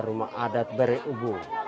rumah adat bereubu